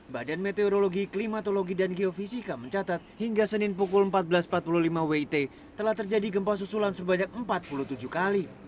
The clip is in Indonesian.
badan meteorologi klimatologi dan geofisika mencatat hingga senin pukul empat belas empat puluh lima wit telah terjadi gempa susulan sebanyak empat puluh tujuh kali